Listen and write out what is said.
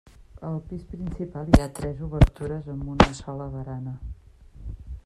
Al pis principal hi ha tres obertures amb una sola barana.